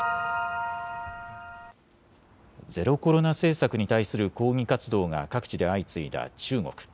ゼロコロナ政策に対する抗議活動が各地で相次いだ中国。